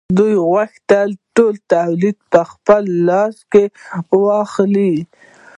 دوی غوښتل ټول تولید په خپل لاس کې واخلي